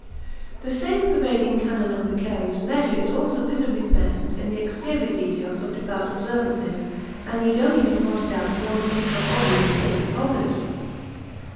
The same pervading canon of vicarious leisure is also visibly present in the exterior details of devout observances and need only be pointed out in order to become obvious to all beholders.